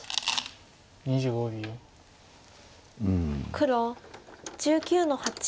黒１９の八。